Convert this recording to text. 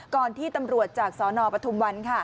ก่อนที่ตำรวจจากสอนอปธุมวัน